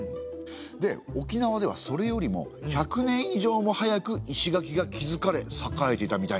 で沖縄ではそれよりも１００年以上も早く石垣が築かれ栄えていたみたいなんですよ。